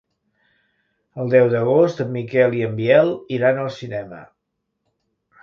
El deu d'agost en Miquel i en Biel iran al cinema.